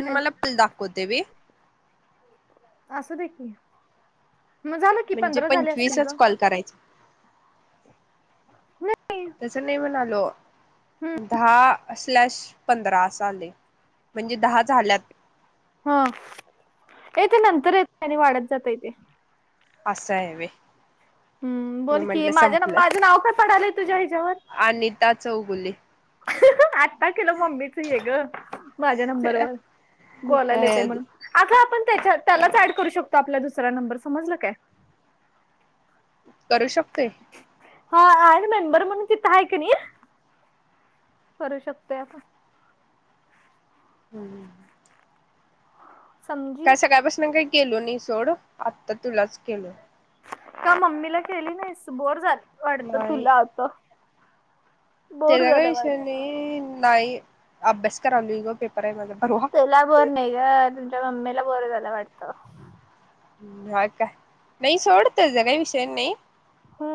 तुम्हाला पण दाखवते वे. असूदे की. मग झालं की म्हणजे पंधरा झाले असतील पंचवीसच ग कॉल करायचे. नाही तसं नाही म्हणालो दहा असल्यास पंधरा अस आलय म्हणजे दहा झाल्यात हा ये ते नंतर येतय आणि वाढत जातय ते असय व्हय हम्म, बोल कि माझ्या माझं नाव काय पडालय तुझ्या ह्याच्यावर अनिता चौगुले आत्ता केलं मम्मीच हे ग माझ्या नंबरवर बोलायला येतय म्हणून आग आपण त्याच्या त्यालाच ऍड करू शकतो आपला दुसरा नंबर समजला काय? करू शकतोय? हा मेंबर म्हणून तिथं हाय कनी. करू शकतोय आपण हम्म समज काय सकाळपसन काही केलो नाही सोड आत्ता तुलाच केलोय का मम्मीला केली नाहीस बोर झालं वाटत नाही तुला आता बोर तेजा काय झालं वाटतं विषय नाही, नाही अभ्यास करालोय गं पेपर हाय माझा परवा. तुला बोर नाही ग तुमच्या मम्मीला बोर झाला वाटत हम् ह का नाही सोड तेजा काय विषय नाही. हो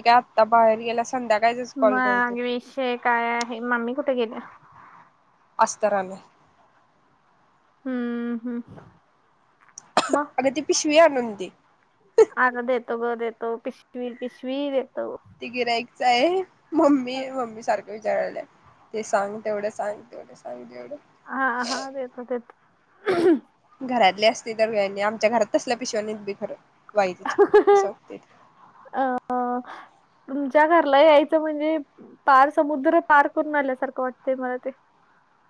एक आत्ता बाहेर गेला संध्याकाळचच कॉल करते. [unintelligible] काय आहे मम्मी कुठ गेल्या. असतर आलय. हम्म हम्म म. अग ती पिशवी आणून दे. अगं देतो ग देतो पिशवी पिशवी देतो. ते गिराईक चा ये मम्मी मम्मी सार ये जेवायला ते सांग तेवढं सांग तेवढं सांग तेवढं. हा हा ते येत ते येत. घरातली असते तर [unintelligible] आमच्या घरात तसल्या पिशव्या नई येत बई खरं. वाई तिच्या असं वाटते आ आ. तुमच्या घरला यायचं म्हणजे पार समुद्र पार करून आल्यासारखं वाटतंय मला ते.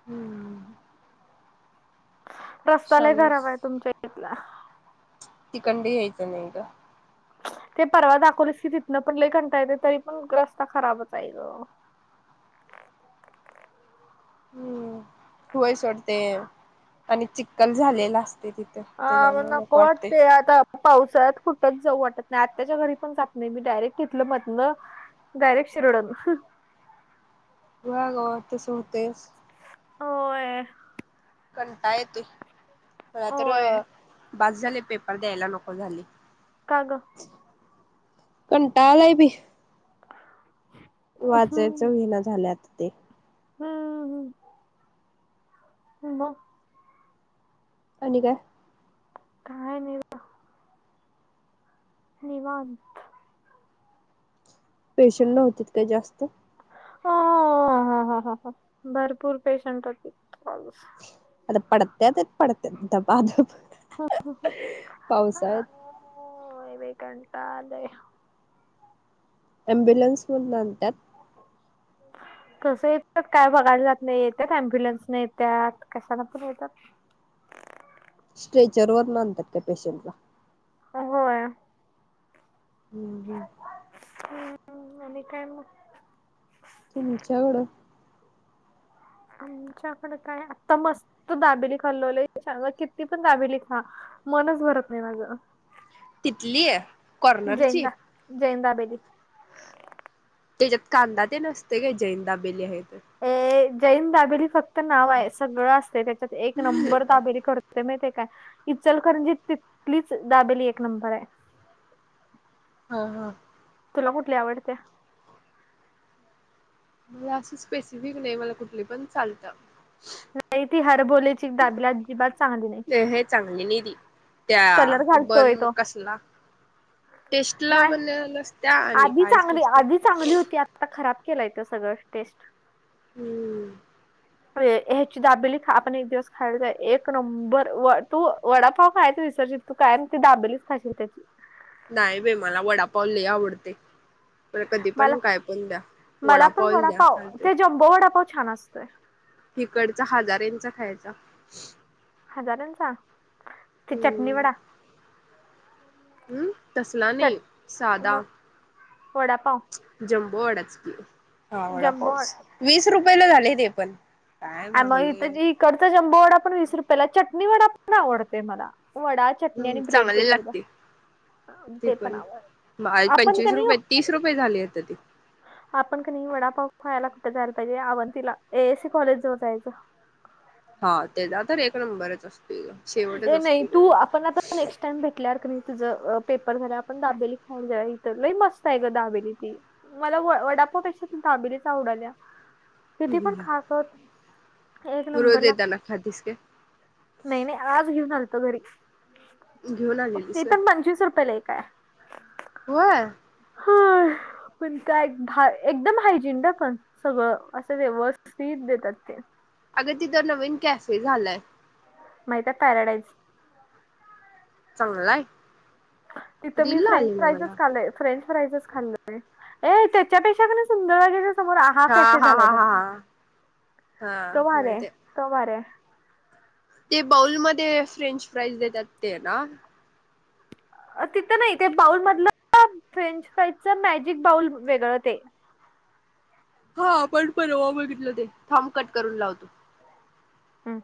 हम्म. रस्ता लय शाने खराब आहे तुमच्या इथला. तिकन भी घ्यायच नई ग. ते परवा दाखवलीस की तिथनं पण लई कंटाळ येते तरी पण रस्ता खराबच हाय ग. हम्म व्हय सोडते आणि चिक्कल झालेला असते तिथ अ म्हणून नको वाटते आता. पावसाळ्यात कुठंच जाऊ वाटत नाही आत्ताच्या घरी पण जात नाही मी डायरेक्ट तिथल मधन डायरेक शरळत ह. [unintelligible] ह्या गावात तस होतेच. होय. कंटा येतोय रात्र होय बास झाले पेपर द्यायला नको झाली. का ग. कंटाळ आलाय बई. वाचायचं होईना झालय आता. ते हम्म हम्म. मग. आणि काय? काय नाही. बघ, निवांत. पेशंट नव्हतीत काही जास्त. हा हा हा हा हा हा हा भरपूर पेशंट होते. [unintelligible] आणि पडत्या ते पडत्या धबाधब. हो हो हो अ पावसाळ्यात होय बाई काय म्हणता लय ॲम्बुलन्स मधन आणतात. [inaudible] कसं येतात काय बघायला जात नाही येत अम्ब्युलन्स ने येतात कशान पण येतात. स्ट्रेचर वर न आनतात का पेशंटला. होय. हम्म हम्म. हम्म आणि काय म. तुमच्याकडं आमच्याकडे काय आता मस्त दाबेली खाल्ललोय किती पण दाबेली खा मनच भरत नाही माझं. तिथली ये जैन कॉर्नरची? दा जैन दाबेली. त्याच्यात कांदा ते नसते काय जैन दाबेली आहे तर. अ जैन दाबेली खा तर नाव आहे सगळं असते त्याच्यात एक नंबर ताबेरी करते म ते काय इचलकरंजी तिथलीच दाबेली एक नंबर आहे हा हा तुला कुठली आवडते म असं स्पेसिफिक नाही मला कुठली पण चालतं नाही ती हरबोलेची दाबिला अजिबात चांगली नाही ते हे चांगली नाही दि त्या कलर बन घालतोय मग तो कसला टेस्ट ला ब नाही नसत्या आणि कायच नसत ता खराब केलायेत सगळं टेस्ट हम्म ह्याची दाबेली आपण एक दिवस खायला एक नंबर व तू वडापाव खायच विसर्जित तू काय ती दाबेलीच खाशील त्याची नाही भे मला वडापावले आवडते प कधी मला पण काय पण द्या वडापाऊल द्या चालते बोडापा छान असतोय इिकडचा हजारेचा खायचा हजारांचा ते चटणी हम्म. वडा हम् तसला नाही चट सादा मग वडापाव जम्बोवाडाच की हा वडा पाऊस वीस रुपयाेला झाले ते पण काय आणि मगथ महागलय. इकडचा जंबू वडा पण वीस रुपयाेला चटणी वडा पण आवडत मला वडा चटन हम्म आणि ब्रेड ते चांगले करदा लागते ते पण आपण पंचवीस तरनी रुपये तीस रुपये झाले आता ते. आपण क नाही वडापाव पहायला कुठे जायला पाहिजे आवनतीिला एस सी कॉलेज जवळ जायचं हा तेचा तर एक नंबरच असतील ए नाही तू आपण आता नेक्स्ट टाइम भेटल्या क नाही तिझ पेपर झाला आपण दाबेली खायला जा इथ ल मस्त आहे ग दाबेली ती मला व वडापापेक्षा दाबिरीच्या आवडाल्या किती पण खास होत एक नंबरला खादिस के नाही नाही आज घेऊन आलतो घरी घेऊन ते आलेलीस व्हय? पण पंचवीस रुपयला एक काय होय होय पण काय एकदम [unintelligible] हायजीन द पण सगळं असं व्यवस्थित देतात ते अगं तिथं नवीन कॅफे झालाय माहिताय पॅराडाईज चांगलाय तिथं मी रील ला फ्रेंच आली ना फ्राईजच मला खालय फ्रेंच फ्राईजच खाल्लय ऐ त्याच्यापेक्षा कणय सुंदर [unintelligible] समोर ह आ हा कशी हा झालाय हा हा हा हा तो भारीय आहे माहिती तो भारिय ते बाऊलमध्ये फ्रेंच फ्राईज देतात ते ना तिथं नाही ते बाऊल मधलं फ्रेंच फाईजच मॅजिक बाऊल वेगळं ते हा आपण परवा बघितलं ते थांब कट करून लावतो हम्